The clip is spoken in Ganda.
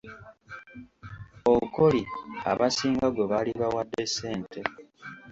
Okori abasinga gwe baali bawadde ssente.